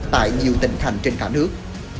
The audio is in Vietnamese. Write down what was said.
tại nhiều tỉnh thành trên cả nước